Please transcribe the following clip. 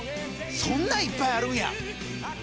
そんないっぱいあるんや！